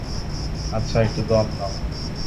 আচ্ছা, একটু দম নাও!